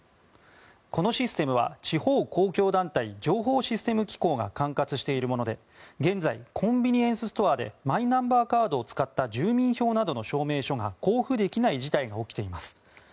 このシステムは地方公共団体情報システム機構が管轄しているもので現在、コンビニエンスストアでマイナンバーカードを使った住民票などの証明書が交付できない事態が起きています。